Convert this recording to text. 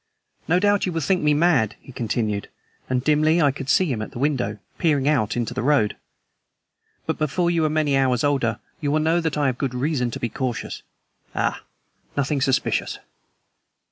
"No doubt you will think me mad," he continued, and, dimly, I could see him at the window, peering out into the road, "but before you are many hours older you will know that I have good reason to be cautious. Ah, nothing suspicious!